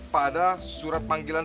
pada surat panggilan